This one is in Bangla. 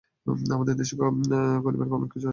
আমাদের দেশে করিবার অনেক কিছু আছে।